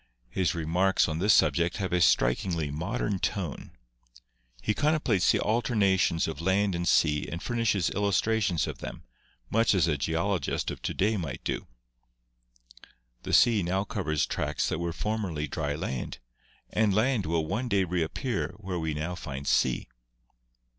His remarks on this subject have a strikingly modern tone. He contemplates the alternations of land and sea and fur nishes illustrations of them, much as a geologist of to day might do. "The sea now covers tracts that were formerly dry land, and land will one day reappear where we now find sea.